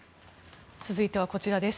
続いてはこちらです。